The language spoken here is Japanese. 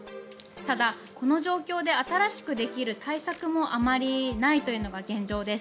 ただ、この状況で新しくできる対策もあまりないというのが現状です。